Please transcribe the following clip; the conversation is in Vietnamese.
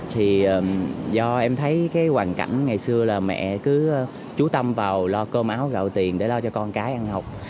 thì do em thấy cái hoàn cảnh ngày xưa là mẹ cứ chú tâm vào lo cơm áo gạo tiền để lo cho con cái ăn học